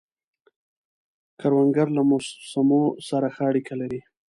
کروندګر له موسمو سره ښه اړیکه لري